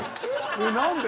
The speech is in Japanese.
えっ何で？